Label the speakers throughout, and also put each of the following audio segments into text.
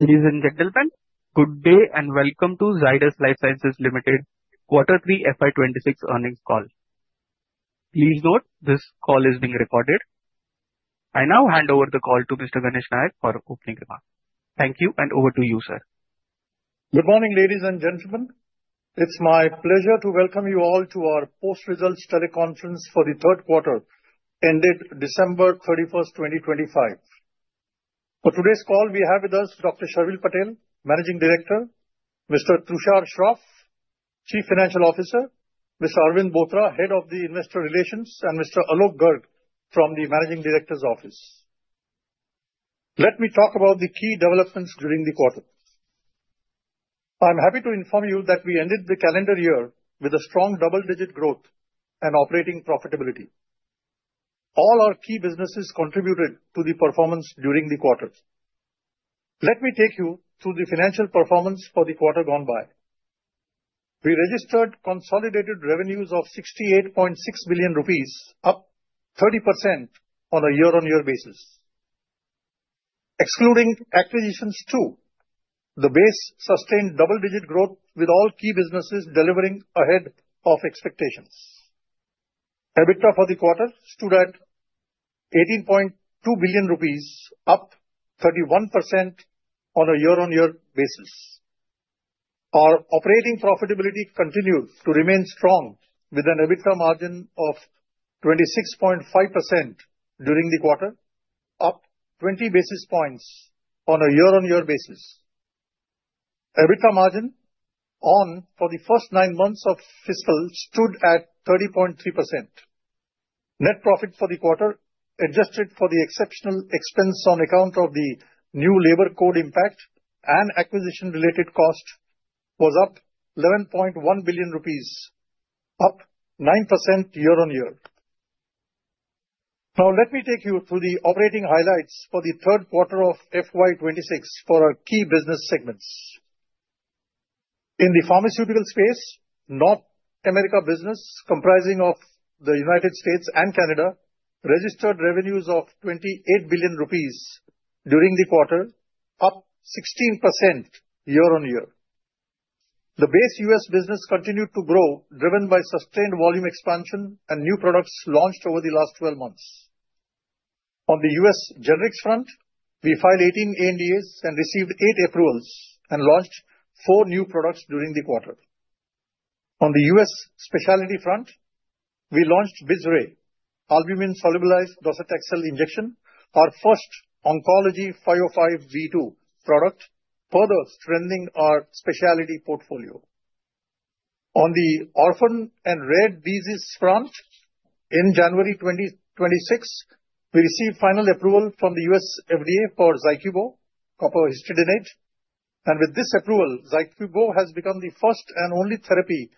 Speaker 1: Ladies and gentlemen, good day, and welcome to Zydus Lifesciences Limited Quarter Three FY 2026 earnings call. Please note, this call is being recorded. I now hand over the call to Mr. Ganesh Nayak for opening remarks. Thank you, and over to you, sir.
Speaker 2: Good morning, ladies and gentlemen. It's my pleasure to welcome you all to our post-results study conference for the third quarter, ended December 31st, 2025. For today's call, we have with us Dr. Sharvil Patel, Managing Director, Mr. Tushar Shroff, Chief Financial Officer, Mr. Arvind Bothra, Head of Investor Relations, and Mr. Alok Garg from the Managing Director's Office. Let me talk about the key developments during the quarter. I'm happy to inform you that we ended the calendar year with a strong double-digit growth and operating profitability. All our key businesses contributed to the performance during the quarter. Let me take you through the financial performance for the quarter gone by. We registered consolidated revenues of 68.6 billion rupees, up 30% on a year-on-year basis. Excluding acquisitions, too, the base sustained double-digit growth, with all key businesses delivering ahead of expectations. EBITDA for the quarter stood at 18.2 billion rupees, up 31% on a year-on-year basis. Our operating profitability continued to remain strong, with an EBITDA margin of 26.5% during the quarter, up 20 basis points on a year-on-year basis. EBITDA margin on for the first nine months of fiscal stood at 30.3%. Net profit for the quarter, adjusted for the exceptional expense on account of the new labor code impact and acquisition-related cost, was up 11.1 billion rupees, up 9% year-on-year. Now, let me take you through the operating highlights for the third quarter of FY 2026 for our key business segments. In the pharmaceutical space, North America business, comprising of the United States and Canada, registered revenues of 28 billion rupees during the quarter, up 16% year-on-year. The base U.S. business continued to grow, driven by sustained volume expansion and new products launched over the last 12 months. On the U.S. generics front, we filed 18 ANDAs and received eight approvals and launched four new products during the quarter. On the U.S. specialty front, we launched Beizray, albumin solubilized docetaxel injection, our first oncology 505(b)(2) product, further strengthening our specialty portfolio. On the orphan and rare disease front, in January 2026, we received final approval from the U.S. FDA for ZYCUBO, copper histidinate, and with this approval, ZYCUBO has become the first and only therapy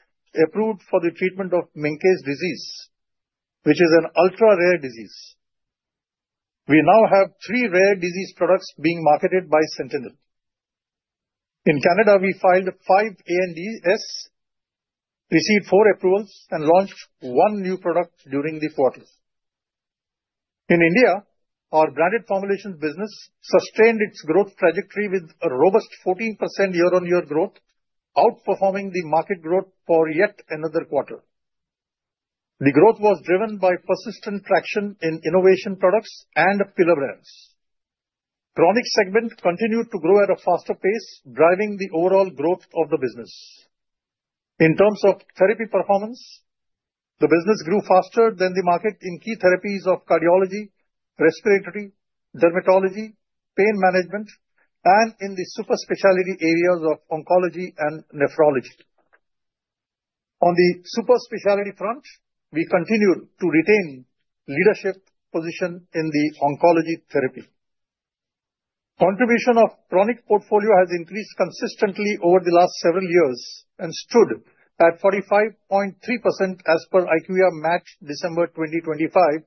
Speaker 2: approved for the treatment of Menkes disease, which is an ultra-rare disease. We now have three rare disease products being marketed by Sentinel. In Canada, we filed five ANDAs, received four approvals, and launched one new product during the quarter. In India, our branded formulation business sustained its growth trajectory with a robust 14% year-on-year growth, outperforming the market growth for yet another quarter. The growth was driven by persistent traction in innovation products and pillar brands. Chronic segment continued to grow at a faster pace, driving the overall growth of the business. In terms of therapy performance, the business grew faster than the market in key therapies of cardiology, respiratory, dermatology, pain management, and in the super specialty areas of oncology and nephrology. On the super specialty front, we continued to retain leadership position in the oncology therapy. Contribution of chronic portfolio has increased consistently over the last several years and stood at 45.3% as per IQVIA MAT December 2025,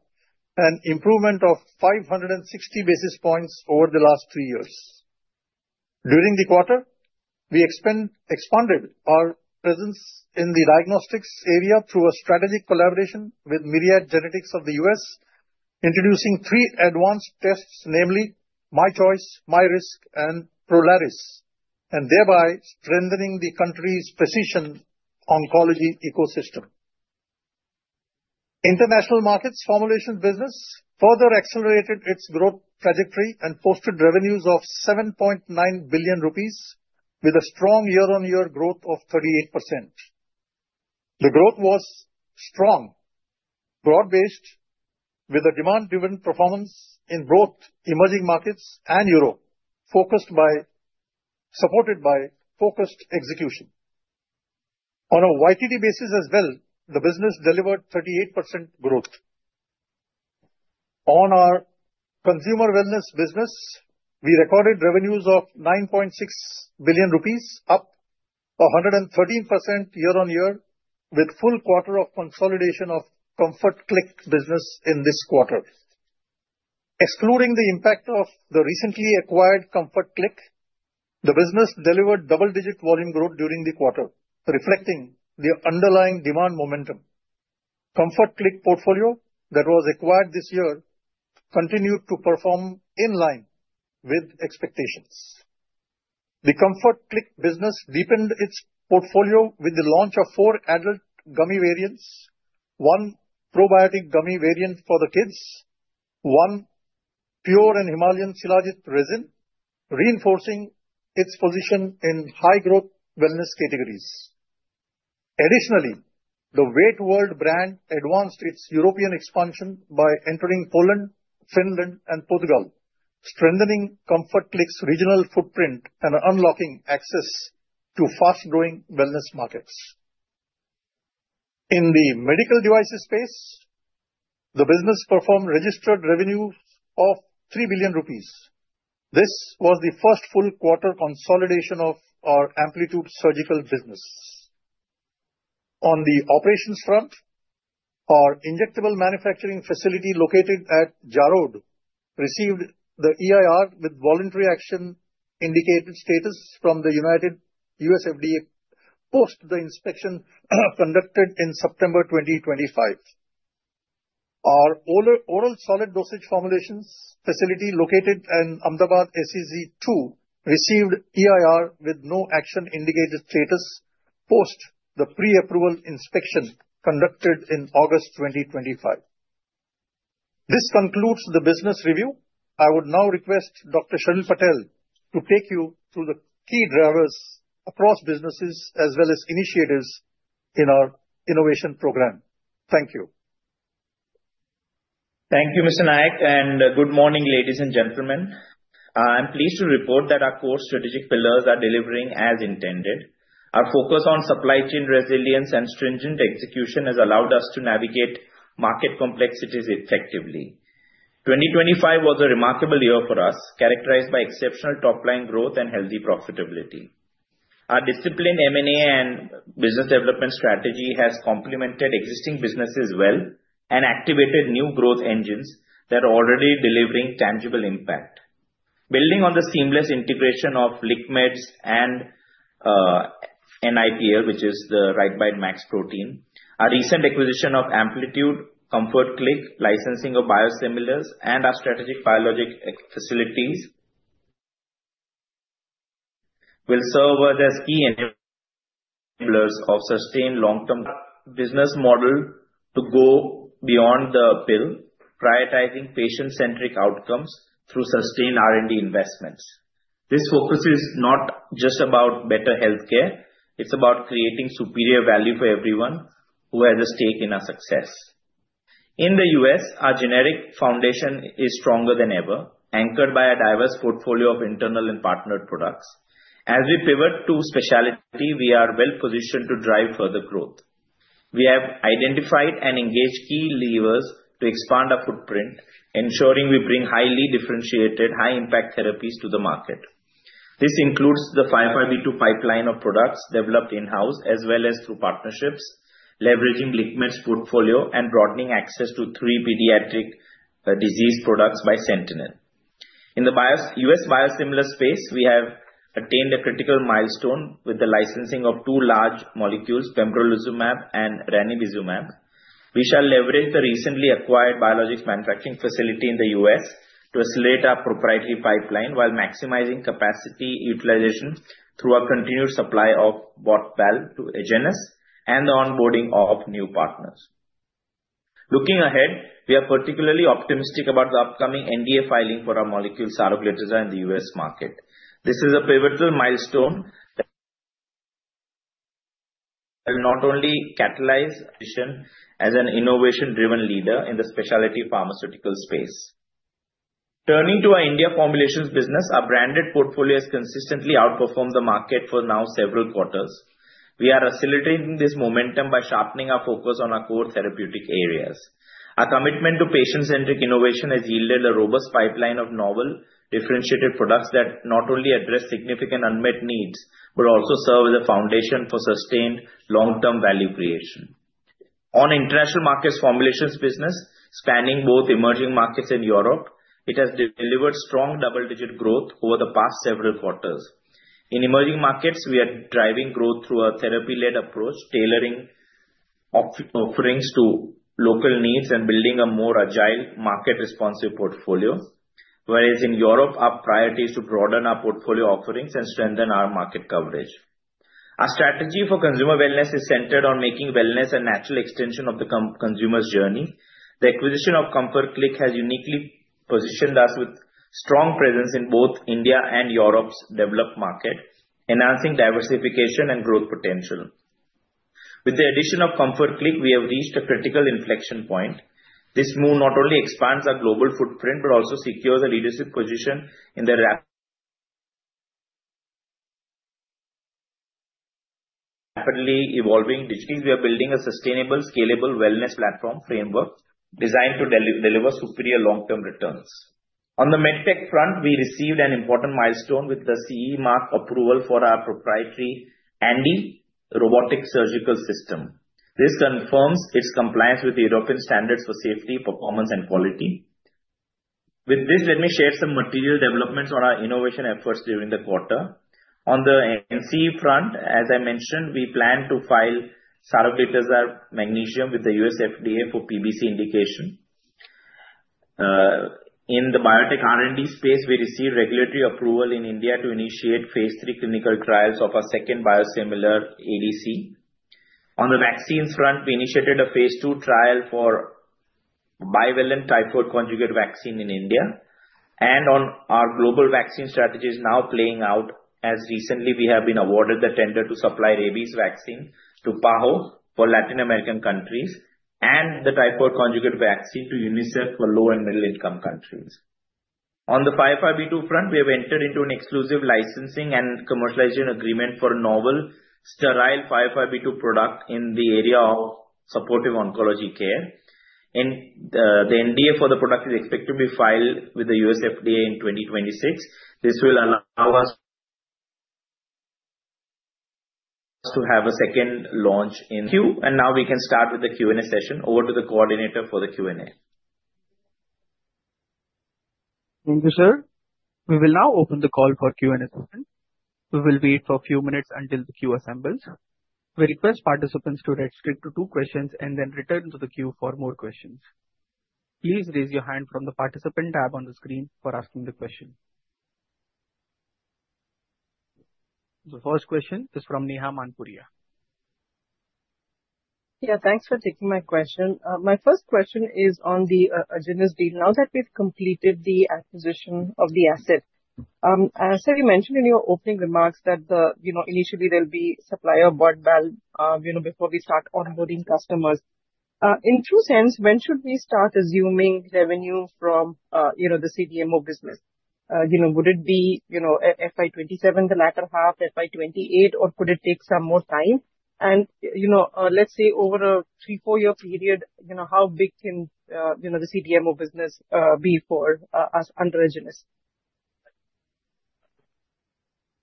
Speaker 2: an improvement of 560 basis points over the last three years. During the quarter, we expanded our presence in the diagnostics area through a strategic collaboration with Myriad Genetics of the U.S., introducing three advanced tests, namely MyChoice, MyRisk, and Prolaris, and thereby strengthening the country's precision oncology ecosystem. International markets formulation business further accelerated its growth trajectory and posted revenues of 7.9 billion rupees with a strong year-on-year growth of 38%. The growth was strong, broad-based, with a demand-driven performance in both emerging markets and Europe, supported by focused execution. On a YTD basis as well, the business delivered 38% growth. On our consumer wellness business, we recorded revenues of 9.6 billion rupees, up 113% year-on-year, with full quarter of consolidation of Comfort Click business in this quarter. Excluding the impact of the recently acquired Comfort Click, the business delivered double-digit volume growth during the quarter, reflecting the underlying demand momentum. Comfort Click portfolio that was acquired this year, continued to perform in line with expectations. The Comfort Click business deepened its portfolio with the launch of four adult gummy variants, one probiotic gummy variant for the kids, one pure and Himalayan Shilajit resin, reinforcing its position in high-growth wellness categories. Additionally, the Weight World brand advanced its European expansion by entering Poland, Finland and Portugal, strengthening Comfort Click's regional footprint and unlocking access to fast-growing wellness markets. In the medical devices space, the business performed registered revenues of 3 billion rupees. This was the first full quarter consolidation of our Amplitude Surgical business. On the operations front, our injectable manufacturing facility located at Jarod received the EIR with voluntary action indicated status from the U.S. FDA post the inspection conducted in September 2025. Our oral solid dosage formulations facility located in Ahmedabad, SEZ-2, received EIR with no action indicated status, post the pre-approval inspection conducted in August 2025. This concludes the business review. I would now request Dr. Sharvil Patel to take you through the key drivers across businesses as well as initiatives in our innovation program. Thank you.
Speaker 3: Thank you, Mr. Nayak, and good morning, ladies and gentlemen. I'm pleased to report that our core strategic pillars are delivering as intended. Our focus on supply chain resilience and stringent execution has allowed us to navigate market complexities effectively. 2025 was a remarkable year for us, characterized by exceptional top-line growth and healthy profitability. Our disciplined M&A and business development strategy has complemented existing businesses well and activated new growth engines that are already delivering tangible impact. Building on the seamless integration of LiqMeds and NIPL, which is the Rightbite Max Protein, our recent acquisition of Amplitude, Comfort Click, licensing of biosimilars, and our strategic biologic facilities will serve as key enablers of sustained long-term business model to go beyond the pill, prioritizing patient-centric outcomes through sustained R&D investments. This focus is not just about better healthcare, it's about creating superior value for everyone who has a stake in our success. In the U.S., our generic foundation is stronger than ever, anchored by a diverse portfolio of internal and partnered products. As we pivot to specialty, we are well-positioned to drive further growth. We have identified and engaged key levers to expand our footprint, ensuring we bring highly differentiated, high-impact therapies to the market. This includes the 552 pipeline of products developed in-house as well as through partnerships, leveraging LiqMeds' portfolio and broadening access to three pediatric disease products by Sentinel. In the U.S. biosimilar space, we have attained a critical milestone with the licensing of two large molecules, pembrolizumab and ranibizumab. We shall leverage the recently acquired biologics manufacturing facility in the U.S. to escalate our proprietary pipeline, while maximizing capacity utilization through our continued supply of botensilimab to Agenus and the onboarding of new partners. Looking ahead, we are particularly optimistic about the upcoming NDA filing for our molecule saroglitazar in the U.S. market. This is a pivotal milestone that will not only catalyze addition as an innovation-driven leader in the specialty pharmaceutical space. Turning to our India formulations business, our branded portfolio has consistently outperformed the market for now several quarters. We are accelerating this momentum by sharpening our focus on our core therapeutic areas. Our commitment to patient-centric innovation has yielded a robust pipeline of novel, differentiated products that not only address significant unmet needs, but also serve as a foundation for sustained long-term value creation. On international markets formulations business, spanning both emerging markets and Europe, it has delivered strong double-digit growth over the past several quarters. In emerging markets, we are driving growth through a therapy-led approach, tailoring offerings to local needs and building a more agile market-responsive portfolio. Whereas in Europe, our priority is to broaden our portfolio offerings and strengthen our market coverage. Our strategy for consumer wellness is centered on making wellness a natural extension of the consumer's journey. The acquisition of Comfort Click has uniquely positioned us with strong presence in both India and Europe's developed market, enhancing diversification and growth potential. With the addition of Comfort Click, we have reached a critical inflection point. This move not only expands our global footprint, but also secures a leadership position in the rapidly evolving digital field. We are building a sustainable, scalable wellness platform framework designed to deliver superior long-term returns. On the MedTech front, we received an important milestone with the CE mark approval for our proprietary HandX robotic surgical system. This confirms its compliance with the European standards for safety, performance and quality. With this, let me share some material developments on our innovation efforts during the quarter. On the NCE front, as I mentioned, we plan to file saroglitazar magnesium with the U.S. FDA for PBC indication. In the biotech R&D space, we received regulatory approval in India to initiate phase three clinical trials of our second biosimilar ADC. On the vaccines front, we initiated a phase two trial for bivalent typhoid conjugate vaccine in India. On our global vaccine strategy is now playing out, as recently we have been awarded the tender to supply rabies vaccine to PAHO for Latin American countries and the typhoid conjugate vaccine to UNICEF for low and middle-income countries. On the 505(b)(2) front, we have entered into an exclusive licensing and commercialization agreement for a novel sterile 505(b)(2) product in the area of supportive oncology care. The NDA for the product is expected to be filed with the U.S. FDA in 2026. This will allow us to have a second launch in queue. Now we can start with the Q&A session. Over to the coordinator for the Q&A.
Speaker 1: Thank you, sir. We will now open the call for Q&A session. We will wait for a few minutes until the queue assembles. We request participants to restrict to two questions and then return to the queue for more questions. Please raise your hand from the participant tab on the screen for asking the question. The first question is from Neha Manpuria.
Speaker 4: Yeah, thanks for taking my question. My first question is on the Agenus deal. Now that we've completed the acquisition of the asset, as I said, you mentioned in your opening remarks that the, you know, initially there'll be supplier botensilimab, you know, before we start onboarding customers. In true sense, when should we start assuming revenue from, you know, the CDMO business? You know, would it be, you know, FY 2027, the latter half, FY 2028, or could it take some more time? And, you know, let's say over a 3-4-year period, you know, how big can, you know, the CDMO business, be for us under Agenus?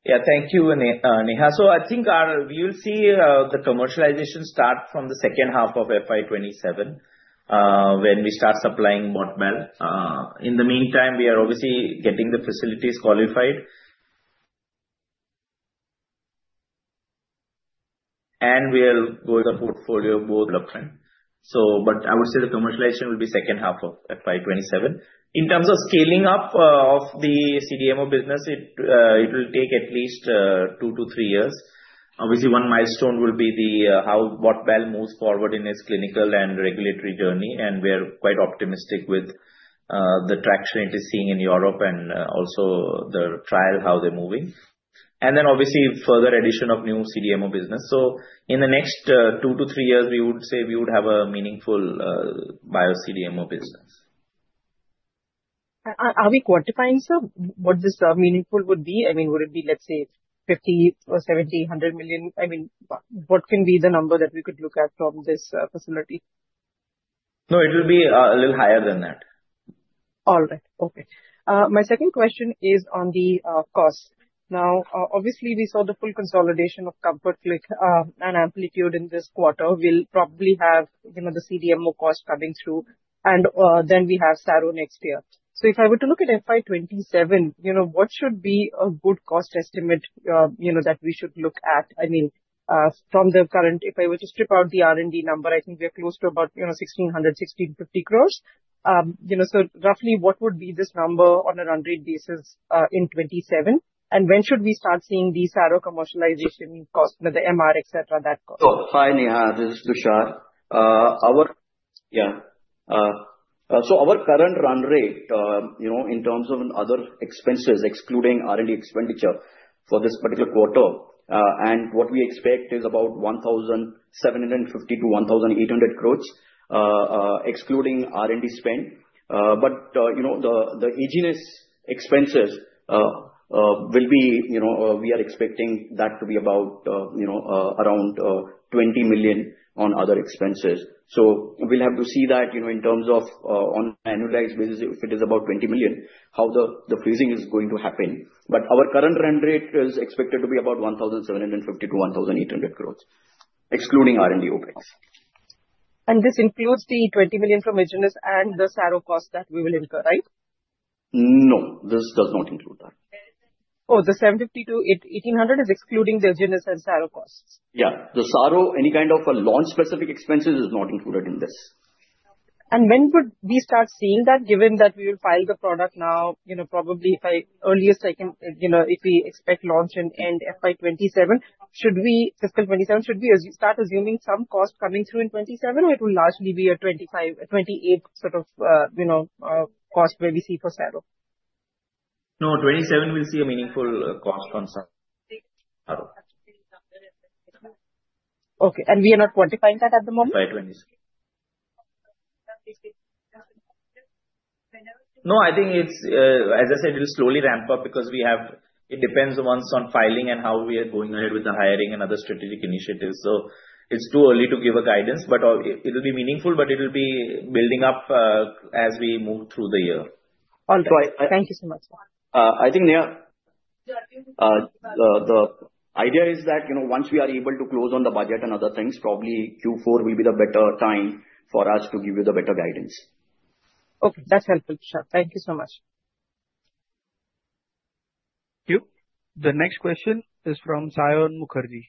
Speaker 3: Yeah, thank you, Neha. So I think we'll see the commercialization start from the second half of FY 2027 when we start supplying Bot/Bal. In the meantime, we are obviously getting the facilities qualified. And we are growing the portfolio. So, but I would say the commercialization will be second half of FY 2027. In terms of scaling up of the CDMO business, it will take at least two to three years. Obviously, one milestone will be the how Bot/Bal moves forward in its clinical and regulatory journey, and we are quite optimistic with the traction it is seeing in Europe and also the trial, how they're moving. And then obviously further addition of new CDMO business. So in the next two to three years, we would say we would have a meaningful bio CDMO business.
Speaker 4: Are we quantifying, sir, what this meaningful would be? I mean, would it be, let's say, 50 million or 70 million, 100 million? I mean, what can be the number that we could look at from this facility?
Speaker 3: No, it will be a little higher than that.
Speaker 4: All right. Okay. My second question is on the cost. Now, obviously, we saw the full consolidation of Comfort Click and Amplitude in this quarter. We'll probably have, you know, the CDMO costs coming through, and then we have Saro next year. So if I were to look at FY 2027, you know, what should be a good cost estimate that we should look at? I mean, from the current, if I were to strip out the R&D number, I think we are close to about, you know, 1,600-1,650 crores. So roughly what would be this number on a run rate basis in 2027? And when should we start seeing the Saro commercialization cost, you know, the MR, et cetera, that cost?
Speaker 5: Oh, hi, Neha, this is Tushar. Our current run rate, you know, in terms of other expenses, excluding R&D expenditure for this particular quarter, and what we expect is about 1,750 crore-1,800 crore, excluding R&D spend. But, you know, the Agenus expenses will be, you know, we are expecting that to be about, you know, around $20 million on other expenses. So we'll have to see that, you know, in terms of, on an annualized basis, if it is about $20 million, how the phasing is going to happen. But our current run rate is expected to be about 1,750 crore-1,800 crore, excluding R&D OpEx.
Speaker 4: This includes the $20 million from Agenus and the Saro costs that we will incur, right?
Speaker 3: No, this does not include that.
Speaker 4: Oh, the 750- 1800 is excluding the Agenus and Saro costs?
Speaker 3: Yeah. The Saro, any kind of a launch-specific expenses is not included in this.
Speaker 4: When would we start seeing that, given that we will file the product now, you know, probably if I earliest I can, you know, if we expect launch in end FY 2027, should we... Fiscal 2027, should we start assuming some cost coming through in 2027, or it will largely be a 2025, a 2028 sort of, you know, cost where we see for Saro?
Speaker 3: No, 2027 we'll see a meaningful cost from Saro.
Speaker 4: Okay, we are not quantifying that at the moment?
Speaker 3: FY 2027. No, I think it's, as I said, it'll slowly ramp up because we have... It depends once on filing and how we are going ahead with the hiring and other strategic initiatives. So it's too early to give a guidance, but, it will be meaningful, but it will be building up, as we move through the year.
Speaker 4: All right. Thank you so much.
Speaker 3: I think, Neha?... the idea is that, you know, once we are able to close on the budget and other things, probably Q4 will be the better time for us to give you the better guidance.
Speaker 4: Okay, that's helpful, Sharvil. Thank you so much.
Speaker 1: Thank you. The next question is from Saion Mukherjee.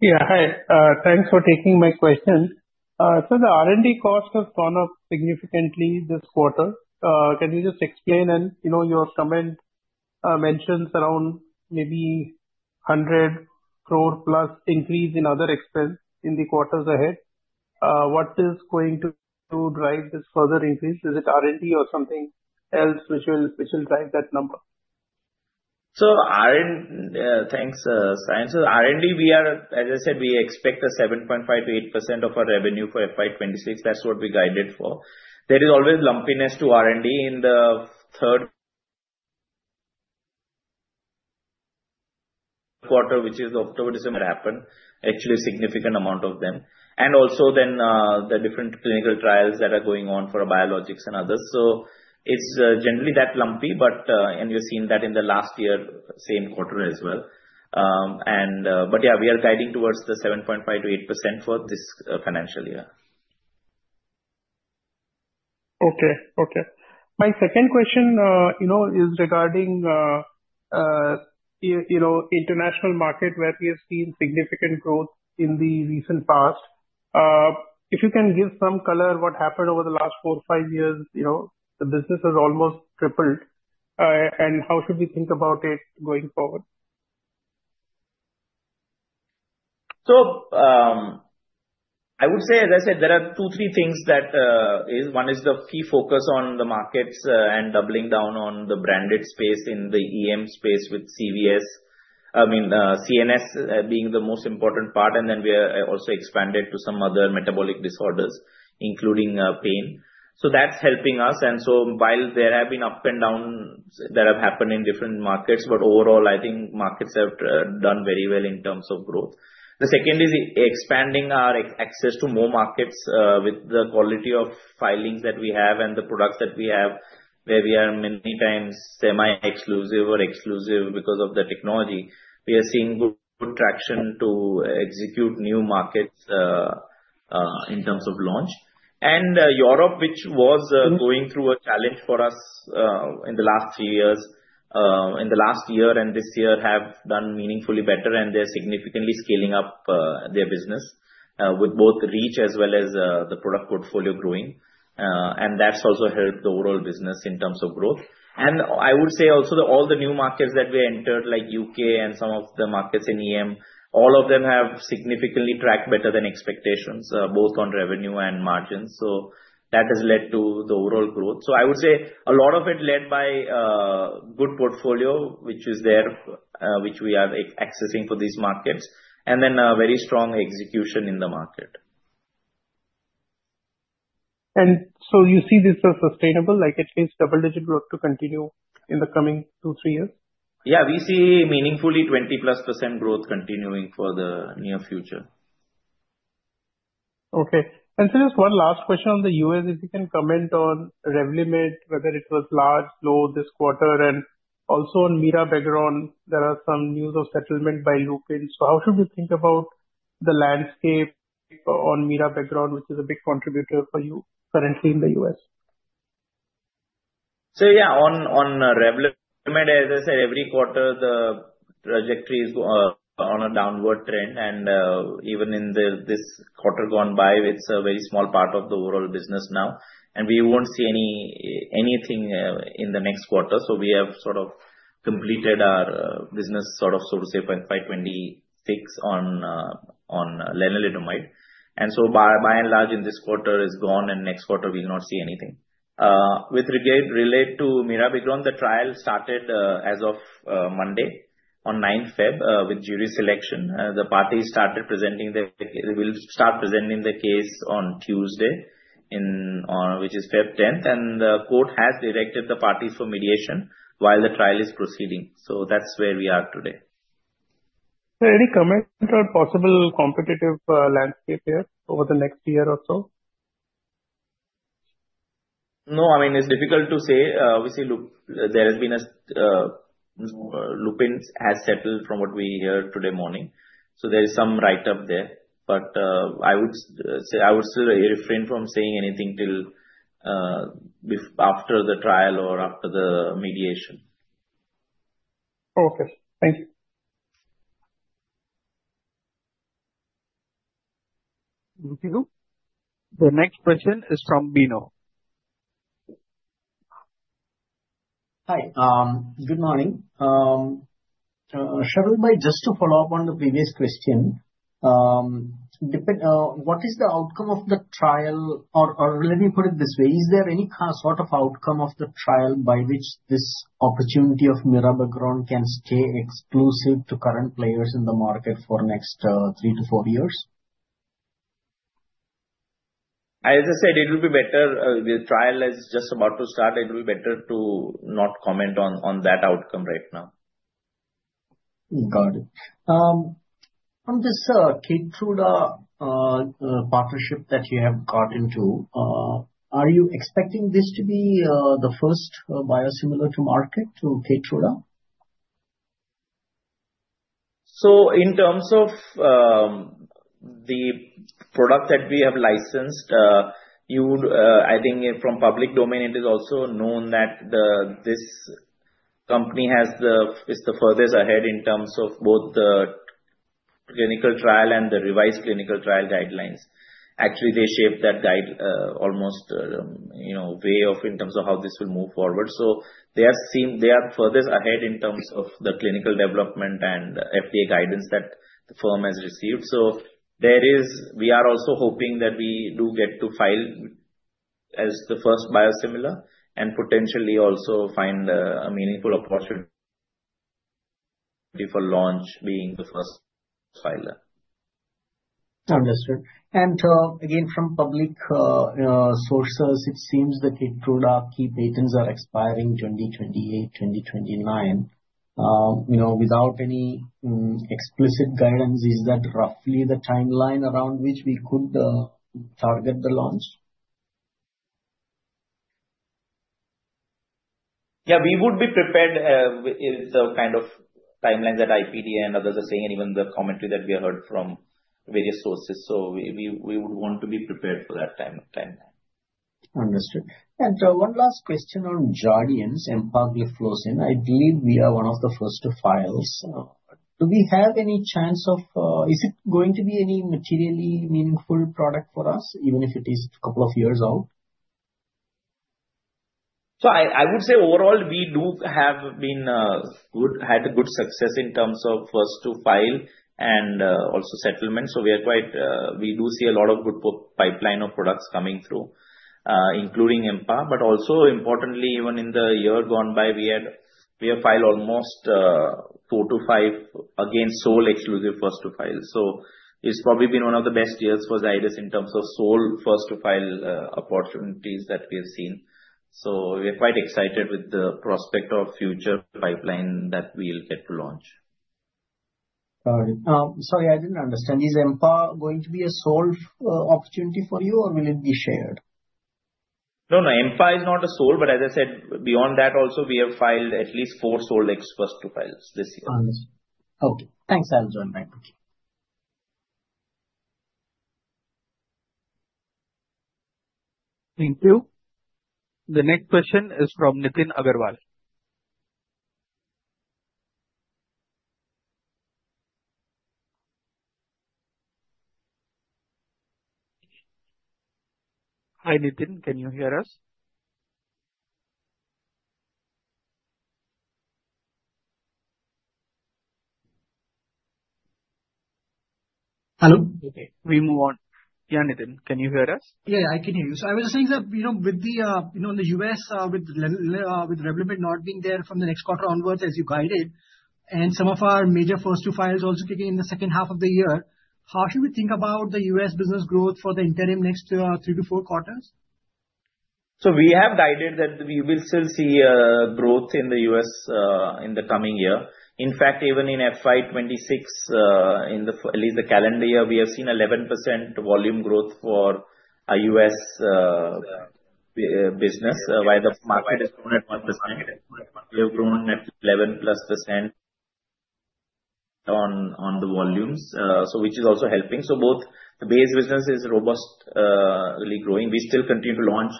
Speaker 6: Yeah, hi. Thanks for taking my question. So the R&D cost has gone up significantly this quarter. Can you just explain, and, you know, your comment mentions around maybe 100 crore plus increase in other expense in the quarters ahead. What is going to drive this further increase? Is it R&D or something else which will drive that number?
Speaker 3: So R&D, thanks, Saion. So R&D, we are, as I said, we expect a 7.5%-8% of our revenue for FY 2026. That's what we guided for. There is always lumpiness to R&D in the third quarter, which is October, December happen, actually a significant amount of them. And also then, the different clinical trials that are going on for our biologics and others. So it's, generally that lumpy, but, and we've seen that in the last year, same quarter as well. But yeah, we are guiding towards the 7.5%-8% for this financial year.
Speaker 6: Okay. Okay. My second question, you know, is regarding, you know, international market, where we have seen significant growth in the recent past. If you can give some color, what happened over the last four- five years, you know, the business has almost tripled. And how should we think about it going forward?
Speaker 3: So, I would say, as I said, there are two, three things that is one is the key focus on the markets, and doubling down on the branded space in the EM space with CVS. I mean, CNS being the most important part, and then we are also expanded to some other metabolic disorders, including pain. So that's helping us. And so while there have been up and downs that have happened in different markets, but overall, I think markets have done very well in terms of growth. The second is expanding our access to more markets, with the quality of filings that we have and the products that we have, where we are many times semi-exclusive or exclusive because of the technology. We are seeing good, good traction to execute new markets, in terms of launch. Europe, which was going through a challenge for us in the last three years, in the last year and this year, have done meaningfully better, and they're significantly scaling up their business with both reach as well as the product portfolio growing. And that's also helped the overall business in terms of growth. And I would say also, all the new markets that we entered, like U.K. and some of the markets in EM, all of them have significantly tracked better than expectations, both on revenue and margins. So that has led to the overall growth. So I would say a lot of it led by good portfolio, which is there, which we are accessing for these markets, and then very strong execution in the market.
Speaker 6: And so you see this as sustainable, like at least double-digit growth to continue in the coming two, three years?
Speaker 3: Yeah, we see meaningfully 20%+ growth continuing for the near future.
Speaker 6: Okay. And so just one last question on the U.S.. If you can comment on Revlimid, whether it was largely slow this quarter, and also on Mirabegron, there are some news of settlement by Lupin. So how should we think about the landscape on Mirabegron, which is a big contributor for you currently in the U.S.?
Speaker 3: So yeah, on Revlimid, as I said, every quarter, the trajectory is on a downward trend, and even in this quarter gone by, it's a very small part of the overall business now, and we won't see anything in the next quarter. So we have sort of completed our business sort of, so to say, by 5/26 on lenalidomide. And so by and large, this quarter is gone, and next quarter we will not see anything. With regard to mirabegron, the trial started as of Monday, on 9th February, with jury selection. The parties will start presenting the case on Tuesday, which is February 10th, and the court has directed the parties for mediation while the trial is proceeding. So that's where we are today.
Speaker 6: Any comments on possible competitive landscape there over the next year or so?
Speaker 3: No, I mean, it's difficult to say. Obviously, Lupin has settled from what we hear today morning. So there is some write-up there. But, I would say, I would still refrain from saying anything till after the trial or after the mediation.
Speaker 6: Okay, thank you.
Speaker 7: Thank you. The next question is from Bino.
Speaker 8: Hi. Good morning. Sharvil, just to follow up on the previous question, what is the outcome of the trial? Or, let me put it this way: Is there any sort of outcome of the trial by which this opportunity of mirabegron can stay exclusive to current players in the market for next three to four years?
Speaker 3: As I said, it will be better... the trial is just about to start. It will be better to not comment on that outcome right now....
Speaker 8: Got it. On this Keytruda partnership that you have got into, are you expecting this to be the first biosimilar to market to Keytruda?
Speaker 3: So in terms of the product that we have licensed, you would, I think from public domain, it is also known that the, this company is the furthest ahead in terms of both the clinical trial and the revised clinical trial guidelines. Actually, they shaped that guide, almost, you know, way of in terms of how this will move forward. So they are furthest ahead in terms of the clinical development and FDA guidance that the firm has received. So there is. We are also hoping that we do get to file as the first biosimilar and potentially also find a meaningful opportunity for launch, being the first filer.
Speaker 8: Understood. Again, from public sources, it seems that Keytruda key patents are expiring 2028, 2029. You know, without any explicit guidance, is that roughly the timeline around which we could target the launch?
Speaker 3: Yeah, we would be prepared with the kind of timelines that IPD and others are saying, even the commentary that we have heard from various sources. So we would want to be prepared for that timeline.
Speaker 8: Understood. One last question on Jardiance empagliflozin. I believe we are one of the first to file. Do we have any chance of... Is it going to be any materially meaningful product for us, even if it is a couple of years out?
Speaker 3: So I would say overall, we do have been had a good success in terms of first to file and also settlement. So we are quite, we do see a lot of good pipeline of products coming through, including Empa. But also importantly, even in the year gone by, we had, we have filed almost four to five against sole exclusive first to file. So it's probably been one of the best years for Zydus in terms of sole first to file opportunities that we have seen. So we are quite excited with the prospect of future pipeline that we'll get to launch.
Speaker 8: Got it. Sorry, I didn't understand. Is Empa going to be a sole opportunity for you, or will it be shared?
Speaker 3: No, no, Empa is not a sole, but as I said, beyond that also, we have filed at least four four sole first-to-files this year.
Speaker 8: Understood. Okay, thanks. I'll join back.
Speaker 1: Thank you. The next question is from Nitin Agarwal. Hi, Nitin, can you hear us?
Speaker 9: Hello?
Speaker 7: Okay, we move on. Yeah, Nitin, can you hear us?
Speaker 9: Yeah, I can hear you. So I was saying that, you know, with the, you know, in the U.S., with Revlimid not being there from the next quarter onwards, as you guided, and some of our major first to files also kicking in the second half of the year, how should we think about the U.S. business growth for the interim next, three to four quarters?
Speaker 3: So we have guided that we will still see growth in the U.S. in the coming year. In fact, even in FY 2026 in the calendar year, we have seen 11% volume growth for our U.S. business. While the market has grown at 1%, we have grown at 11%+ on the volumes, so which is also helping. So both the base business is robust really growing. We still continue to launch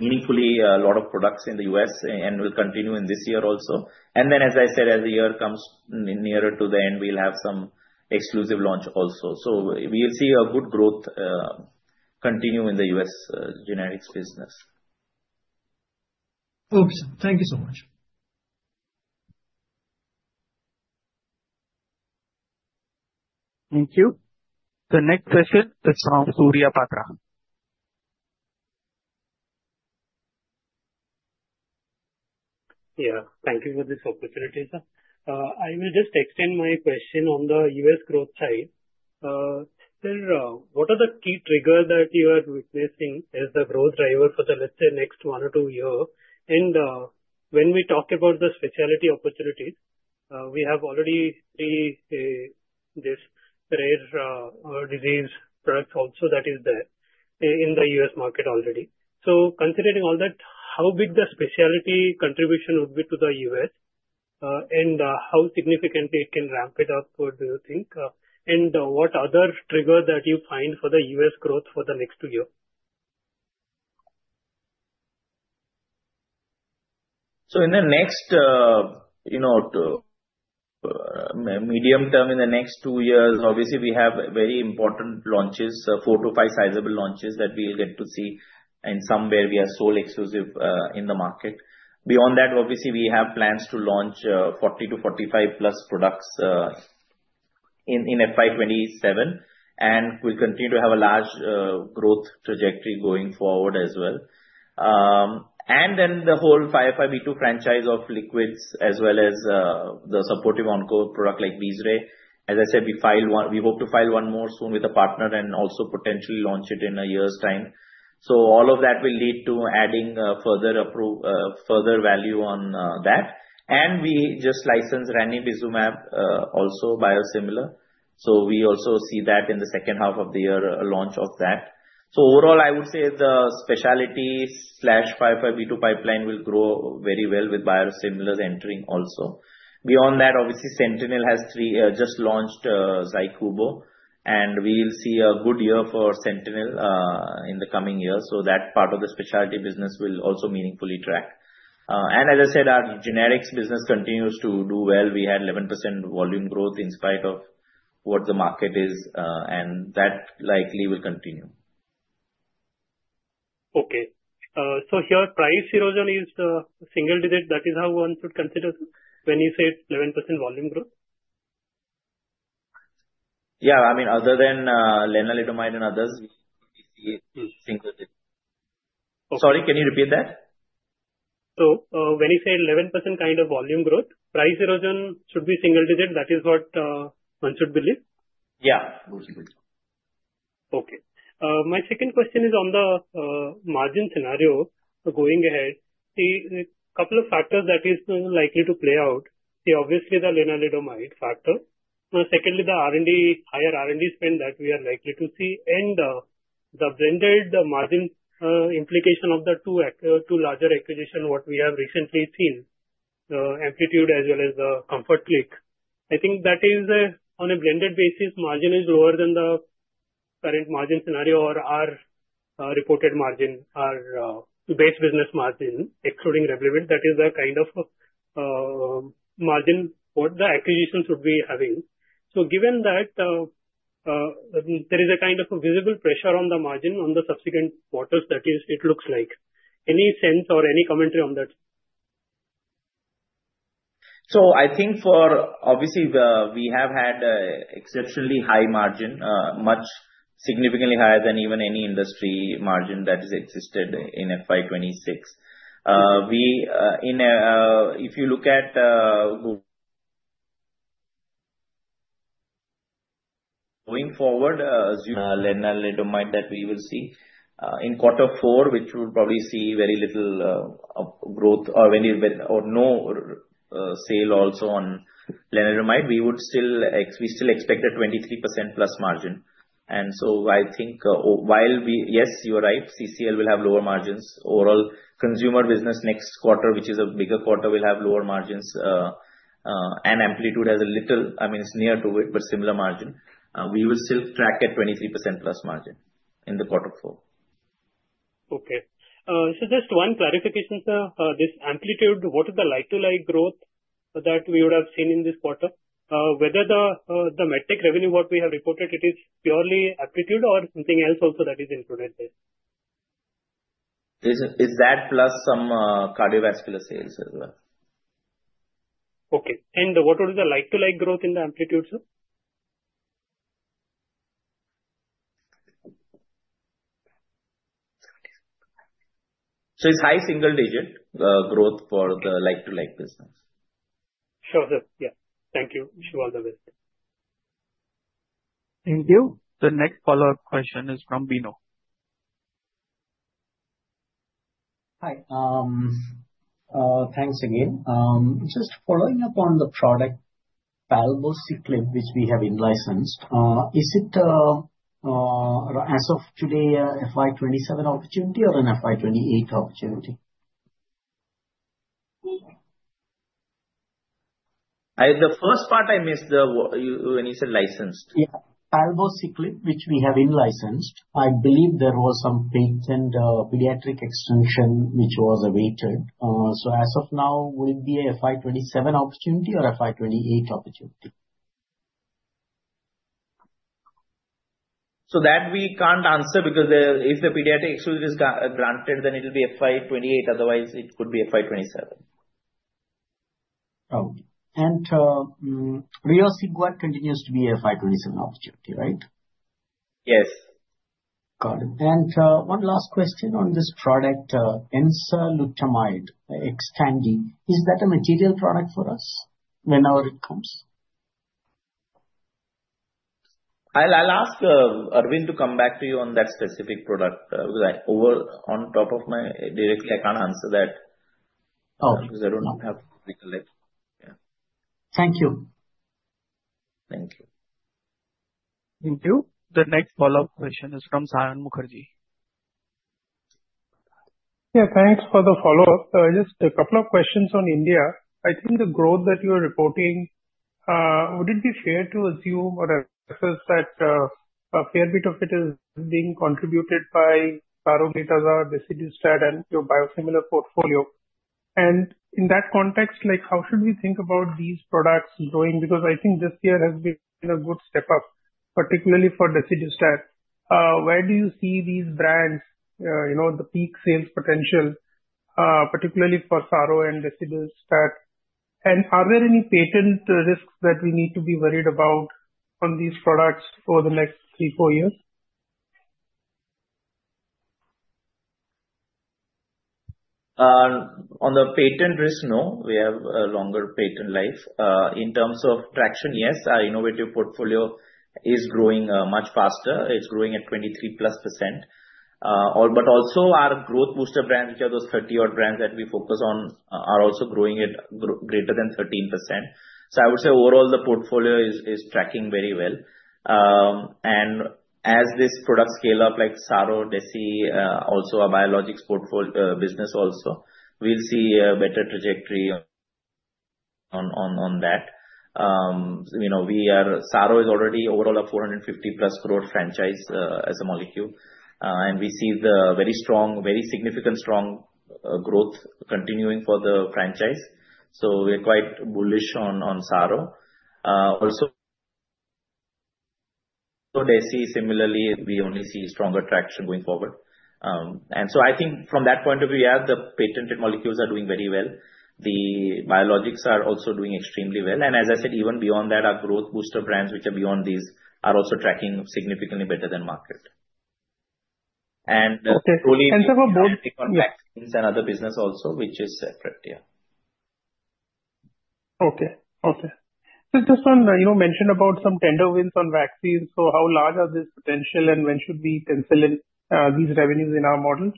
Speaker 3: meaningfully a lot of products in the U.S., and we'll continue in this year also. And then, as I said, as the year comes nearer to the end, we'll have some exclusive launch also. So we will see a good growth continue in the U.S. generics business.
Speaker 9: Okay, sir. Thank you so much.
Speaker 1: Thank you. The next question is from Surya Patra.
Speaker 10: Yeah, thank you for this opportunity, sir. I will just extend my question on the U.S. growth side. sir, what are the key triggers that you are witnessing as the growth driver for the, let's say, next one or two year? And, when we talk about the specialty opportunities, we have already seen this rare disease product also that is there in the U.S. market already. So considering all that, how big the specialty contribution would be to the U.S., and, how significantly it can ramp it up, what do you think? And, what other triggers that you find for the U.S. growth for the next two year?
Speaker 3: So in the next, you know, medium term, in the next two years, obviously, we have very important launches, four to five sizable launches that we will get to see, and some where we are sole exclusive, in the market. Beyond that, obviously, we have plans to launch, 40-45+ products, in FY 2027, and we continue to have a large, growth trajectory going forward as well. And then the whole 5x2 franchise of liquids, as well as, the supportive onco product like Beizray. As I said, we file one. We hope to file one more soon with a partner and also potentially launch it in a year's time. So all of that will lead to adding, further value on, that. We just licensed Ranibizumab, also biosimilar, so we also see that in the second half of the year, a launch of that. So overall, I would say the specialty / 505(b)(2) pipeline will grow very well with biosimilars entering also. Beyond that, obviously, Sentinel has three just launched ZYCUBO, and we'll see a good year for Sentinel in the coming years. So that part of the specialty business will also meaningfully track. And as I said, our generics business continues to do well. We had 11% volume growth in spite of what the market is, and that likely will continue.
Speaker 10: Okay. So here price erosion is single digit. That is how one should consider when you say 11% volume growth?
Speaker 3: Yeah, I mean, other than lenalidomide and others, we single digit.
Speaker 10: Okay.
Speaker 3: Sorry, can you repeat that?
Speaker 10: So, when you say 11% kind of volume growth, price erosion should be single digit. That is what one should believe?
Speaker 3: Yeah.
Speaker 10: Okay. My second question is on the margin scenario going ahead. The couple of factors that is likely to play out, the obviously the lenalidomide factor. Secondly, the R&D, higher R&D spend that we are likely to see and the blended margin implication of the two larger acquisition, what we have recently seen, the Amplitude as well as the Comfort Click. I think that is, on a blended basis, margin is lower than the current margin scenario or our reported margin, our base business margin, excluding Revlimid. That is the kind of margin what the acquisitions should be having. So given that, there is a kind of a visible pressure on the margin on the subsequent quarters, that is, it looks like. Any sense or any commentary on that?
Speaker 3: So I think for obviously, the, we have had exceptionally high margin, much significantly higher than even any industry margin that has existed in FY 2026. If you look at... Going forward, lenalidomide, that we will see in quarter four, which we would probably see very little growth or very little or no sale also on lenalidomide, we would still ex- we still expect a 23%+ margin. And so I think, while we-- Yes, you are right, CCL will have lower margins. Overall, consumer business next quarter, which is a bigger quarter, will have lower margins, and Amplitude has a little, I mean, it's near to it, but similar margin. We will still track at 23%+ margin in the quarter four.
Speaker 10: Okay. So just one clarification, sir. This Amplitude, what is the like-for-like growth that we would have seen in this quarter? Whether the metric revenue, what we have reported, it is purely Amplitude or something else also that is included there?
Speaker 3: Is that plus some cardiovascular sales as well?
Speaker 10: Okay. What was the like-for-like growth in the Amplitude, sir?
Speaker 3: It's high single digit growth for the like-to-like business.
Speaker 10: Sure, sir. Yeah. Thank you. Wish you all the best.
Speaker 1: Thank you. The next follow-up question is from Bino.
Speaker 8: Hi. Thanks again. Just following up on the product, Palbociclib, which we have in-licensed, is it as of today a FY 2027 opportunity or an FY 2028 opportunity?
Speaker 3: I missed the first part, when you said licensed.
Speaker 8: Yeah. Palbociclib, which we have in-licensed. I believe there was some patent, pediatric extension which was awaited. So as of now, would it be a FY 2027 opportunity or a FY 2028 opportunity?
Speaker 3: So that we can't answer because if the pediatric exclusion is granted, then it will be FY 2028, otherwise it could be FY 2027.
Speaker 8: Okay. And, risdiplam continues to be a FY 2027 opportunity, right?
Speaker 3: Yes.
Speaker 8: Got it. One last question on this product, enzalutamide, Xtandi. Is that a material product for us whenever it comes?
Speaker 3: I'll ask Arvind to come back to you on that specific product. Off the top of my head, directly, I can't answer that.
Speaker 8: Okay.
Speaker 3: Because I do not have it yet. Yeah.
Speaker 8: Thank you.
Speaker 3: Thank you.
Speaker 7: Thank you. The next follow-up question is from Saion Mukherjee.
Speaker 6: Yeah, thanks for the follow-up. Just a couple of questions on India. I think the growth that you are reporting, would it be fair to assume or assess that, a fair bit of it is being contributed by bortezomib, desidustat, and your biosimilar portfolio? And in that context, like, how should we think about these products growing? Because I think this year has been a good step up, particularly for desidustat. Where do you see these brands, you know, the peak sales potential, particularly for Saro and desidustat? And are there any patent risks that we need to be worried about on these products over the next three-four years?
Speaker 3: On the patent risk, no, we have a longer patent life. In terms of traction, yes, our innovative portfolio is growing much faster. It's growing at 23%+. Or but also our growth booster brands, which are those 30-odd brands that we focus on, are also growing at greater than 13%. So I would say overall, the portfolio is tracking very well. And as this product scale up, like Saro, Desi, also our biologics portfolio business also, we'll see a better trajectory on that. You know, we are, Saro is already overall a 450+ growth franchise as a molecule. And we see the very strong, very significant strong growth continuing for the franchise, so we're quite bullish on Saro. Also, Desi similarly, we only see stronger traction going forward. And so I think from that point of view, yeah, the patented molecules are doing very well. The biologics are also doing extremely well. And as I said, even beyond that, our growth booster brands, which are beyond these, are also tracking significantly better than market. And-
Speaker 6: Okay.
Speaker 3: On vaccines and other business also, which is separate. Yeah.
Speaker 6: Okay. Okay. So just on, you know, mentioned about some tender wins on vaccines. So how large are these potential, and when should we consider in these revenues in our models?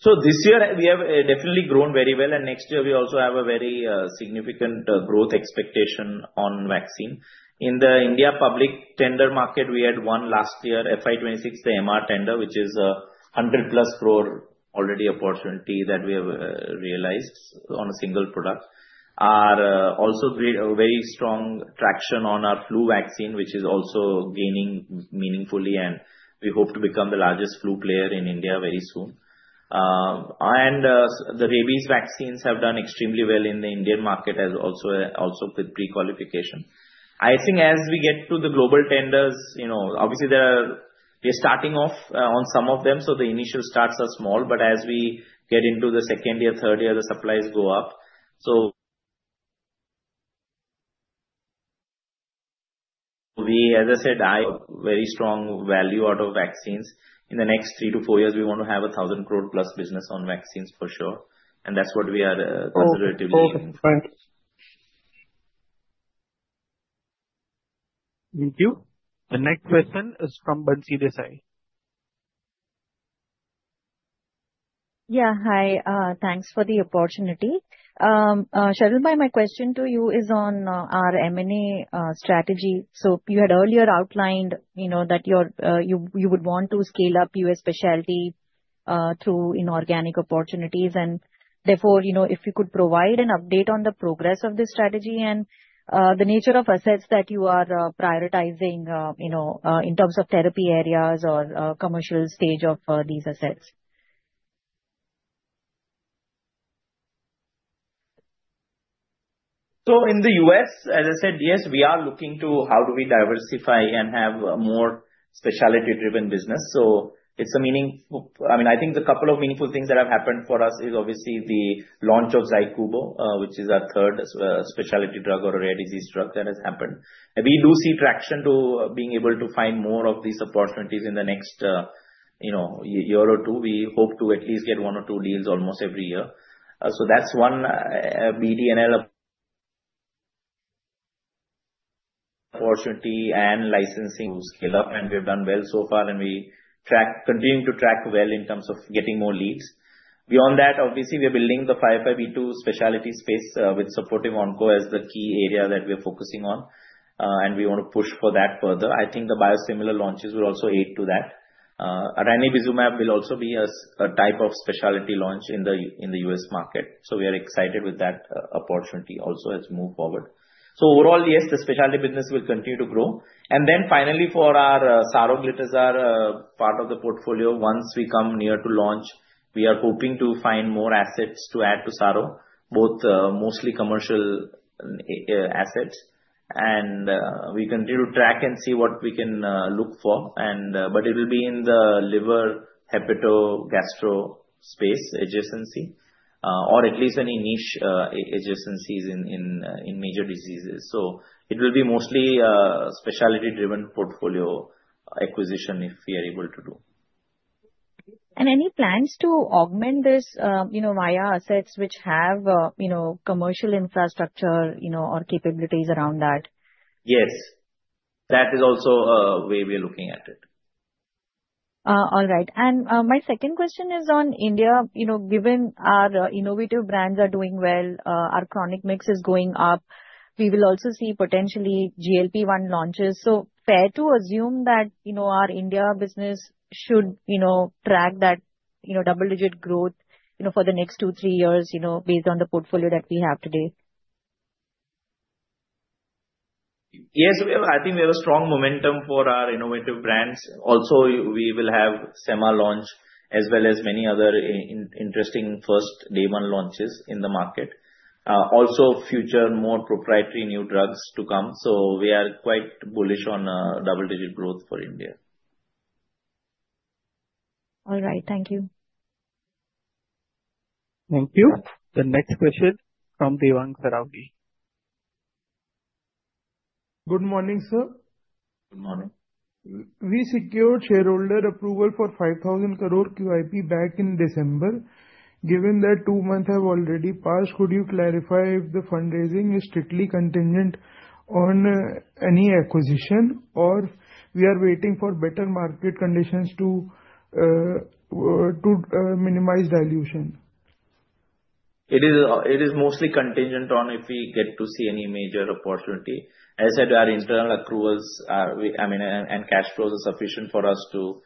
Speaker 3: So this year, we have definitely grown very well, and next year we also have a very significant growth expectation on vaccine. In the India public tender market, we had won last year, FY 2026, the MR tender, which is 100+ crore already opportunity that we have realized on a single product. Our very strong traction on our flu vaccine, which is also gaining meaningfully, and we hope to become the largest flu player in India very soon. And the rabies vaccines have done extremely well in the Indian market, as also with pre-qualification. I think as we get to the global tenders, you know, obviously there are... We're starting off on some of them, so the initial starts are small, but as we get into the second year, third year, the supplies go up. As I said, I have very strong value out of vaccines. In the next three to four years, we want to have 1,000 crore+ business on vaccines for sure, and that's what we are tentatively in.
Speaker 6: Okay. Okay, thanks.
Speaker 1: Thank you. The next question is from Bansi Desai.
Speaker 11: Yeah, hi. Thanks for the opportunity. Sharvil brother, my question to you is on our M&A strategy. So you had earlier outlined, you know, that your you would want to scale up U.S. specialty through inorganic opportunities. And therefore, you know, if you could provide an update on the progress of this strategy and the nature of assets that you are prioritizing, you know, in terms of therapy areas or commercial stage of these assets.
Speaker 3: So in the U.S., as I said, yes, we are looking to how do we diversify and have a more specialty-driven business. So it's a meaningful... I mean, I think the couple of meaningful things that have happened for us is obviously the launch of ZYCUBO, which is our third specialty drug or a rare disease drug that has happened. And we do see traction to being able to find more of these opportunities in the next, you know, year or two. We hope to at least get one or two deals almost every year. So that's one BD&L opportunity and licensing scale up, and we've done well so far, and we continue to track well in terms of getting more leads. Beyond that, obviously, we are building the 505(b)(2) specialty space, with supportive onco as the key area that we're focusing on. And we want to push for that further. I think the biosimilar launches will also aid to that. Ranibizumab will also be a type of specialty launch in the U.S. market. So we are excited with that opportunity also as we move forward. So overall, yes, the specialty business will continue to grow. And then finally, for our saroglitazar part of the portfolio, once we come near to launch, we are hoping to find more assets to add to Saro, both mostly commercial assets. We continue to track and see what we can look for and, but it will be in the liver, hepato-gastro space adjacency, or at least any niche, adjacencies in major diseases. So it will be mostly, specialty-driven portfolio acquisition, if we are able to do.
Speaker 11: And any plans to augment this, you know, you know, via assets which have, you know, commercial infrastructure, you know, or capabilities around that?
Speaker 3: Yes. That is also a way we are looking at it.
Speaker 11: All right. And, my second question is on India. You know, given our innovative brands are doing well, our chronic mix is going up, we will also see potentially GLP-1 launches. So fair to assume that, you know, our India business should, you know, track that, you know, double-digit growth, you know, for the next two, three years, you know, based on the portfolio that we have today?
Speaker 3: Yes, we have, I think we have a strong momentum for our innovative brands. Also, we will have semi-launch, as well as many other interesting first day one launches in the market. Also future more proprietary new drugs to come. So we are quite bullish on double-digit growth for India.
Speaker 11: All right. Thank you.
Speaker 7: Thank you. The next question from Devang Sarawgi.
Speaker 12: Good morning, sir.
Speaker 3: Good morning.
Speaker 12: We secured shareholder approval for 5,000 crore QIP back in December. Given that two months have already passed, could you clarify if the fundraising is strictly contingent on any acquisition, or we are waiting for better market conditions to minimize dilution? ...
Speaker 3: It is, it is mostly contingent on if we get to see any major opportunity. As I said, our internal accruals are, I mean, and cash flows are sufficient for us to,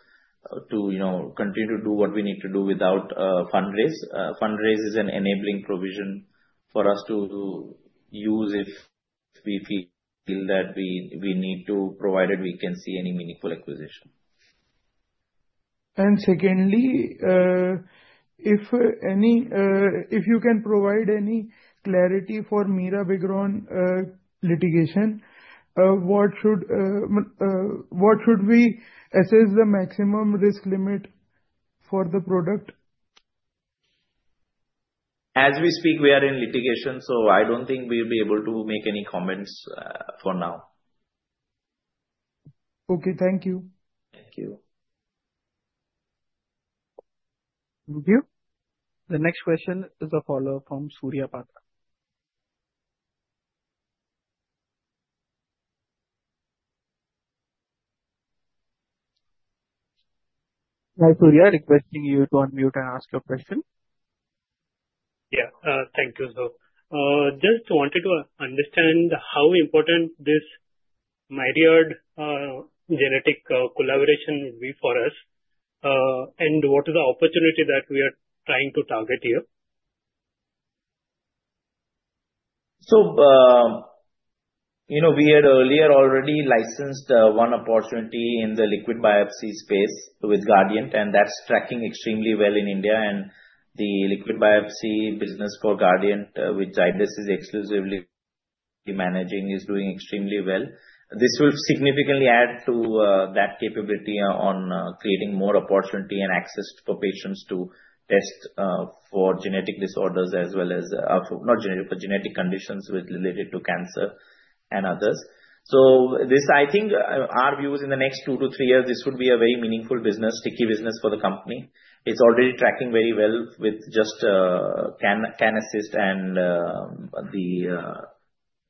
Speaker 3: you know, continue to do what we need to do without fundraise. Fundraise is an enabling provision for us to use if we feel that we need to, provided we can see any meaningful acquisition.
Speaker 12: And secondly, if you can provide any clarity for mirabegron litigation, what should we assess the maximum risk limit for the product?
Speaker 3: As we speak, we are in litigation, so I don't think we'll be able to make any comments for now.
Speaker 12: Okay, thank you.
Speaker 3: Thank you.
Speaker 12: Thank you.
Speaker 7: The next question is a follow-up from Surya Patra. Hi, Surya, requesting you to unmute and ask your question.
Speaker 10: Yeah. Thank you, sir. Just wanted to understand how important this Myriad genetic collaboration will be for us, and what is the opportunity that we are trying to target here?
Speaker 3: So, you know, we had earlier already licensed one opportunity in the liquid biopsy space with Guardant, and that's tracking extremely well in India. And the liquid biopsy business for Guardant, which Zydus is exclusively managing, is doing extremely well. This will significantly add to that capability on creating more opportunity and access for patients to test for genetic disorders as well as not genetic, for genetic conditions related to cancer and others. So this, I think, our view is in the next two to three years, this would be a very meaningful business, sticky business for the company. It's already tracking very well with just cancer diagnostics and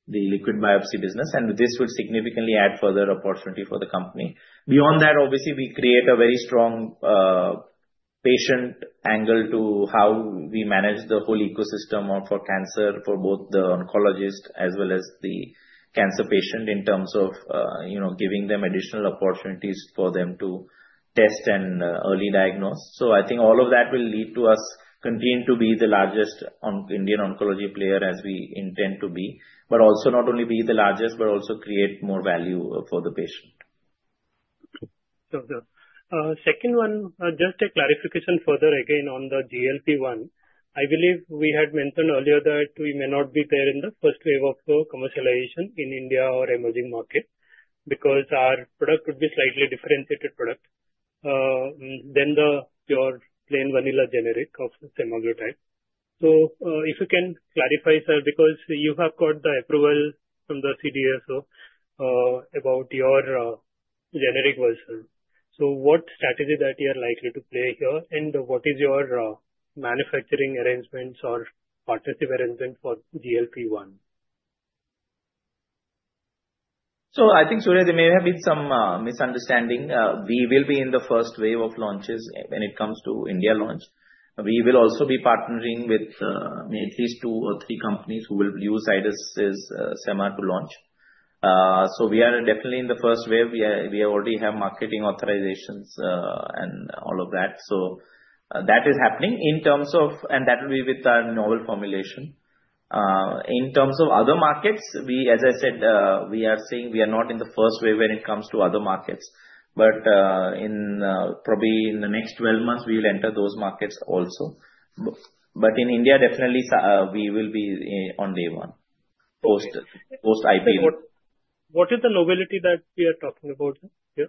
Speaker 3: the liquid biopsy business, and this will significantly add further opportunity for the company. Beyond that, obviously, we create a very strong, patient angle to how we manage the whole ecosystem or for cancer, for both the oncologist as well as the cancer patient, in terms of, you know, giving them additional opportunities for them to test and, early diagnose. So I think all of that will lead to us continuing to be the largest Indian oncology player, as we intend to be. But also not only be the largest, but also create more value for the patient.
Speaker 10: Okay. Second one, just a clarification further, again, on the GLP-1. I believe we had mentioned earlier that we may not be there in the first wave of the commercialization in India or emerging market, because our product would be slightly differentiated product than the pure plain vanilla generic of semaglutide. So, if you can clarify, sir, because you have got the approval from the CDMO about your generic version. So what strategy that you are likely to play here, and what is your manufacturing arrangements or partnership arrangement for GLP-1?
Speaker 3: So I think, Surya, there may have been some misunderstanding. We will be in the first wave of launches when it comes to India launch. We will also be partnering with at least two or three companies who will use Zydus' sema to launch. So we are definitely in the first wave. We already have marketing authorizations and all of that. So that is happening. In terms of... And that will be with our novel formulation. In terms of other markets, we, as I said, we are saying we are not in the first wave when it comes to other markets, but in probably in the next 12 months, we will enter those markets also. But in India, definitely, we will be on day one, post-IP.
Speaker 10: What is the novelty that we are talking about here?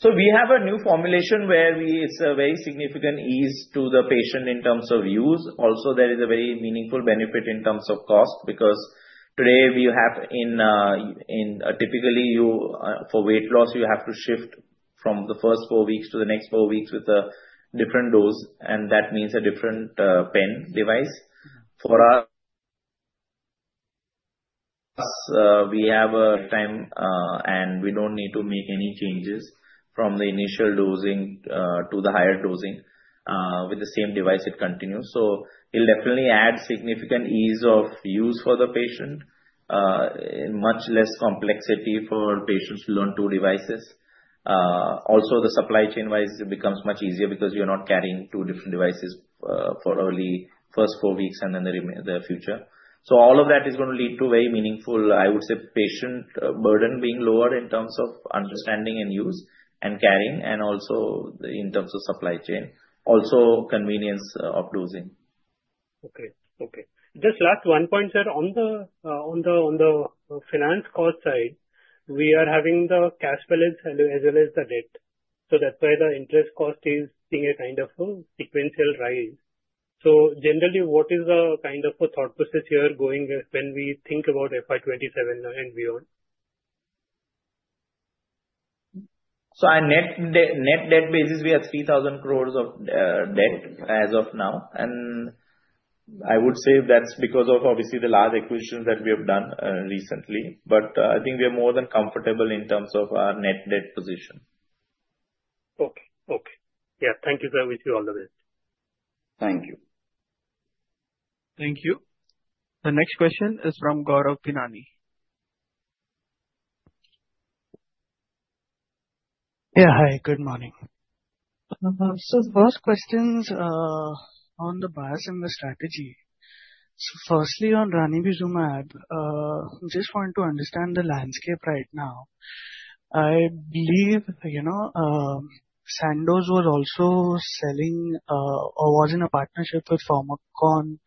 Speaker 3: So we have a new formulation where we, it's a very significant ease to the patient in terms of use. Also, there is a very meaningful benefit in terms of cost, because today, typically you, for weight loss, you have to shift from the first four weeks to the next four weeks with a different dose, and that means a different pen device. For us, we have a time, and we don't need to make any changes from the initial dosing to the higher dosing. With the same device, it continues. So it'll definitely add significant ease of use for the patient, and much less complexity for patients to learn two devices. Also, the supply chain-wise, it becomes much easier because you're not carrying two different devices for only first four weeks and then the future. So all of that is going to lead to very meaningful, I would say, patient burden being lower in terms of understanding and use, and carrying, and also in terms of supply chain, also convenience of dosing.
Speaker 10: Okay. Okay. Just last one point, sir. On the finance cost side, we are having the cash balance as well as the debt, so that's why the interest cost is seeing a kind of sequential rise. So generally, what is the kind of a thought process here going with when we think about FY 2027 and beyond?
Speaker 3: So on net debt basis, we have 3,000 crore of debt as of now, and I would say that's because of, obviously, the large acquisition that we have done, recently, but I think we are more than comfortable in terms of our net debt position.
Speaker 10: Okay. Okay. Yeah, thank you, sir. Wish you all the best.
Speaker 3: Thank you.
Speaker 1: Thank you. The next question is from Gaurav Tinani.
Speaker 13: Yeah, hi, good morning. So the first questions on the biosimilar strategy. So firstly, on ranibizumab, just want to understand the landscape right now. I believe, you know, Sandoz was also selling or was in a partnership with Formycon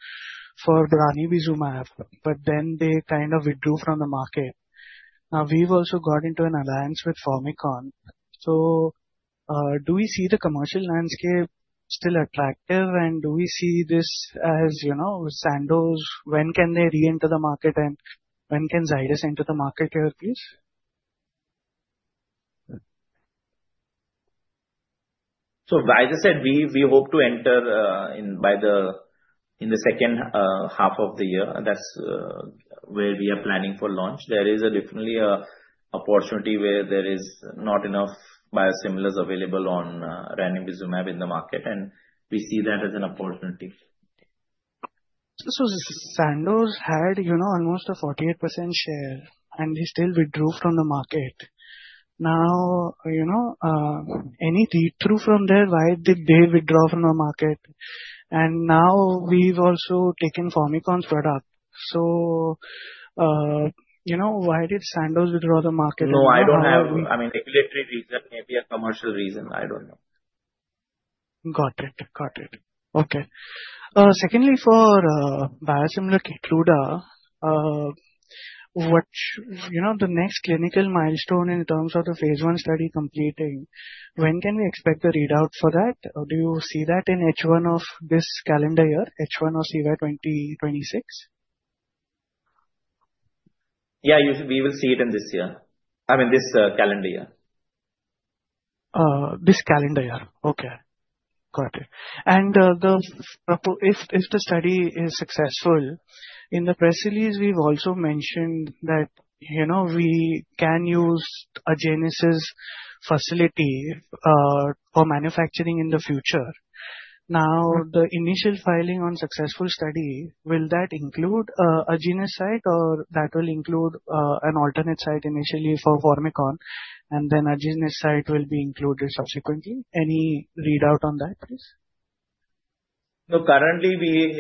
Speaker 13: for ranibizumab, but then they kind of withdrew from the market. Now, we've also got into an alliance with Formycon. So, do we see the commercial landscape still attractive? And do we see this as, you know, Sandoz, when can they reenter the market, and when can Zydus enter the market here, please?
Speaker 3: So like I said, we hope to enter in the second half of the year. That's where we are planning for launch. There is definitely an opportunity where there is not enough biosimilars available on ranibizumab in the market, and we see that as an opportunity.
Speaker 13: So Sandoz had, you know, almost a 48% share, and they still withdrew from the market. Now, you know, any read-through from there, why did they withdraw from the market? And now we've also taken Formycon's product. So, you know, why did Sandoz withdraw the market?
Speaker 3: No, I don't have... I mean, regulatory reason, maybe a commercial reason. I don't know.
Speaker 13: Got it. Got it. Okay. Secondly, for biosimilar Keytruda, which, you know, the next clinical milestone in terms of the phase I study completing, when can we expect the readout for that? Or do you see that in H1 of this calendar year, H1 of, say, 2026?
Speaker 3: Yeah, we will see it in this year, I mean, this calendar year.
Speaker 13: This calendar year. Okay, got it. If, if the study is successful, in the press release we've also mentioned that, you know, we can use a Agenus's facility for manufacturing in the future. Now, the initial filing on successful study, will that include Agenus site, or that will include an alternate site initially for Formycon, and then Agenus site will be included subsequently? Any readout on that, please?
Speaker 3: So currently, we,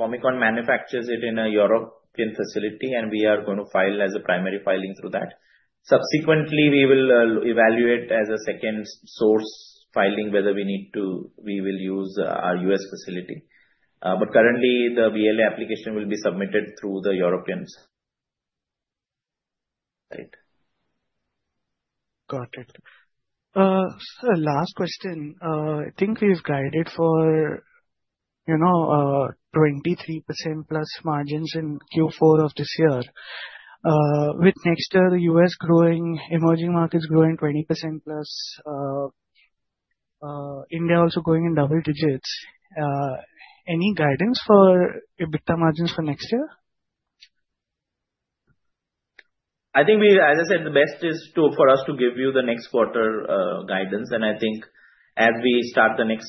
Speaker 3: Formycon manufactures it in a European facility, and we are going to file as a primary filing through that. Subsequently, we will evaluate as a second source filing, whether we need to, we will use our U.S. facility. But currently the BLA application will be submitted through the Europeans. Right.
Speaker 13: Got it. Sir, last question. I think we've guided for, you know, 23% plus margins in Q4 of this year. With next year, the US growing, emerging markets growing 20% plus, India also growing in double digits, any guidance for EBITDA margins for next year?
Speaker 3: I think, as I said, the best is to for us to give you the next quarter guidance. And I think as we start the next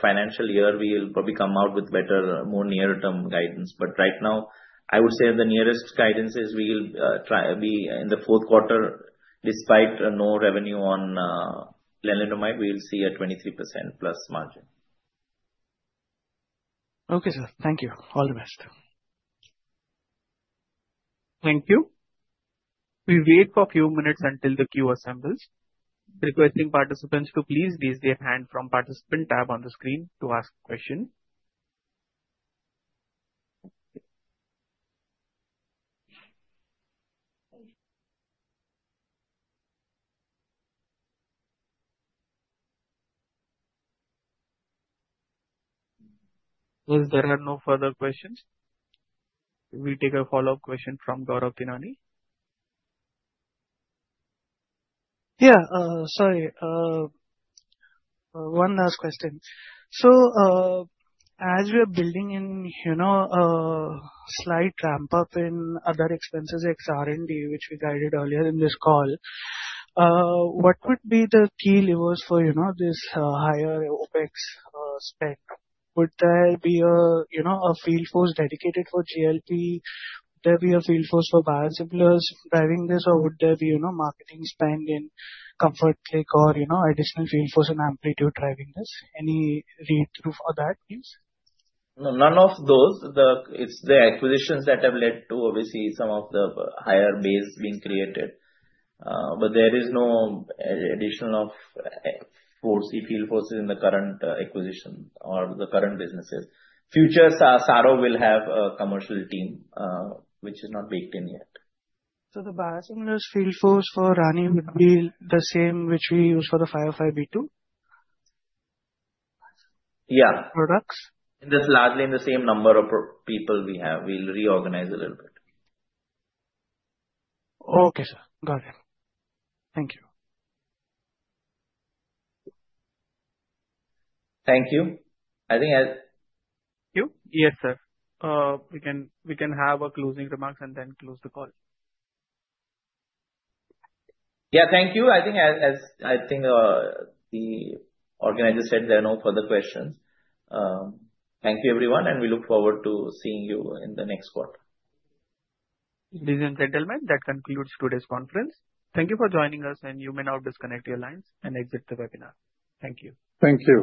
Speaker 3: financial year, we'll probably come out with better more near-term guidance. But right now, I would say the nearest guidance is we'll try be in the fourth quarter, despite no revenue on lenalidomide, we'll see a 23% plus margin.
Speaker 13: Okay, sir. Thank you. All the best.
Speaker 1: Thank you. We wait for few minutes until the queue assembles. Requesting participants to please raise their hand from participant tab on the screen to ask question. If there are no further questions, we'll take a follow-up question from Gaurav Tinani.
Speaker 13: Yeah. Sorry, one last question. So, as we are building in, you know, slight ramp-up in other expenses ex R&D, which we guided earlier in this call, what would be the key levers for, you know, this, higher OpEx, spend? Would there be a, you know, a field force dedicated for GLP? Would there be a field force for biosimilars driving this, or would there be, you know, marketing spend in Comfort Click or, you know, additional field force and Amplitude driving this? Any read-through for that, please?
Speaker 3: No, none of those. The, it's the acquisitions that have led to obviously some of the higher base being created. But there is no addition of force, the field forces in the current acquisition or the current businesses. Future, Saro will have a commercial team, which is not baked in yet.
Speaker 13: So the biosimilars field force for ranibizumab would be the same, which we use for the 505(b)(2)?
Speaker 3: Yeah.
Speaker 13: Products?
Speaker 3: It is largely in the same number of people we have. We'll reorganize a little bit.
Speaker 13: Okay, sir. Got it. Thank you.
Speaker 3: Thank you. I think
Speaker 7: You. Yes, sir. We can, we can have a closing remarks and then close the call.
Speaker 3: Yeah, thank you. I think as, as I think, the organizer said, there are no further questions. Thank you, everyone, and we look forward to seeing you in the next quarter.
Speaker 1: Ladies and gentlemen, that concludes today's conference. Thank you for joining us, and you may now disconnect your lines and exit the webinar. Thank you.
Speaker 7: Thank you.